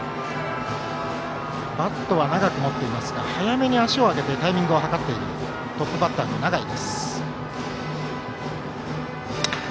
バットは長く持っていますが早めに足を上げてタイミングを計っているトップバッターの永井。